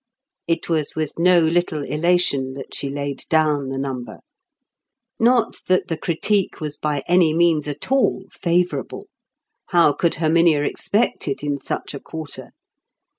It was with no little elation that she laid down the number. Not that the critique was by any means at all favourable. How could Herminia expect it in such a quarter?